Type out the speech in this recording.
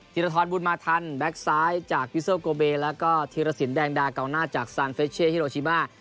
ธิรฐรบุญมาทันแบ็คซ้ายจากวิสเซอลโกเบแล้วก็ธิรศิลป์แดงดาเกาหน้าจากสานเฟรชเช่ฮิโรชิบ้า